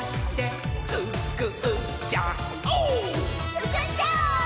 つくっちゃおう！